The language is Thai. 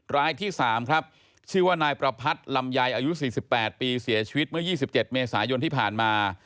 รายที่๓ครับชื่อว่านายประพัทธ์ลำไยอายุ๔๘ปีเสียชีวิตเมื่อ๒๗เมษายนที่ผ่านมา